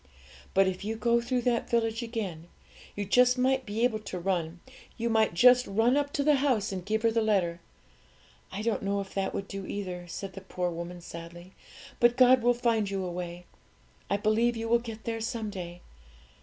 But if you go through that village again, you might just run up to the house and give her the letter. I don't know if that would do either,' said the poor woman sadly; 'but God will find you a way. I believe you will get there someday.